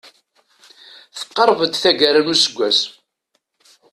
Teqreb-d taggara n useggas.